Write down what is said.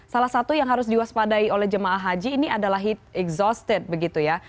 salah satu yang harus diwaspadai oleh jemaah haji ini adalah heat exhausted begitu ya